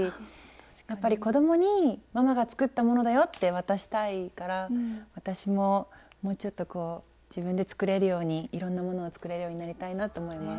やっぱり子どもにママが作ったものだよって渡したいから私ももうちょっと自分で作れるようにいろんなものを作れるようになりたいなと思います。